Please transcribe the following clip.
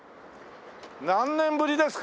何年ぶりですか？